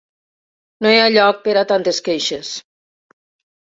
No hi ha lloc per a tantes queixes.